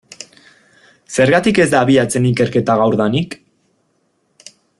Zergatik ez da abiatzen ikerketa gaurdanik?